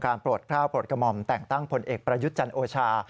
โปรดกล้าวโปรดกระหม่อมแต่งตั้งผลเอกประยุทธ์จันทร์โอชา